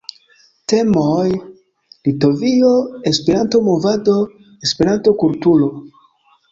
Temoj: Litovio, Esperanto-movado, Esperanto-kulturo.